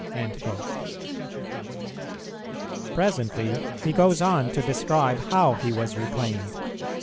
"[331:1] Presently he goes on to describe how he was reclaimed.